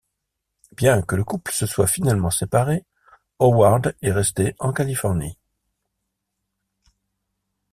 Bien que le couple se soit finalement séparé, Howard est resté en Californie.